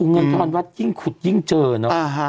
เงินทรวรรดิ์วัดยิ่งขุดยิ่งเจอเนอะ